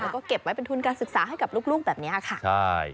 คุณการศึกษาให้กับลูกแบบนี้ค่ะ